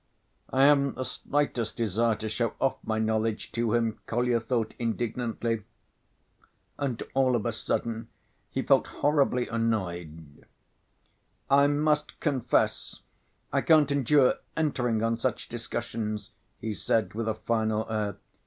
"I haven't the slightest desire to show off my knowledge to him," Kolya thought indignantly. And all of a sudden he felt horribly annoyed. "I must confess I can't endure entering on such discussions," he said with a final air.